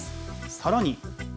さらに。